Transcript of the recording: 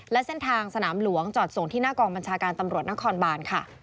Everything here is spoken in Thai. และเส้นทางสนามหลวงจอดส่งที่หน้ากองบัญชาการตำรวจนครบานค่ะ